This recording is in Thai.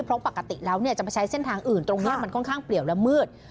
เพราะปกติแล้วจะมาใช้เส้นทางอื่นตรงนี้มันค่อนข้างเปลี่ยวและมืด